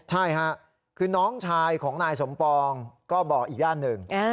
ใช่ค่ะคือน้องชายของนายสมปองก็บอกอีกด้านหนึ่ง